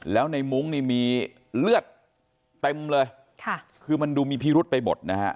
แล้วในมุ้งนี่มีเลือดเต็มเลยค่ะคือมันดูมีพิรุษไปหมดนะฮะ